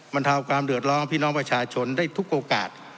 บรรเทาความเดือดร้อนพี่น้องประชาชนได้ทุกโอกาส